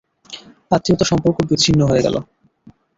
আত্মীয়তার সম্পর্ক বিচ্ছিন্ন হয়ে গেল।